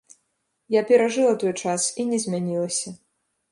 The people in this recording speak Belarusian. Я перажыла той час і не змянілася.